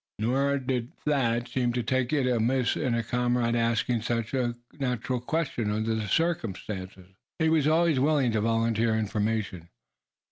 Nor did Thad seem to take it amiss in a comrade asking such a natural question, under the circumstances. He was always willing to volunteer information.